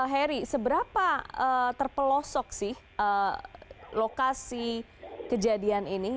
heri seberapa terpelosok sih lokasi kejadian ini